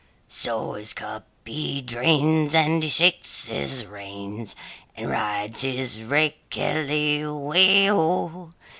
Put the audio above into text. So his cup he drains and he shakes his reins, And rides his rake helly way O!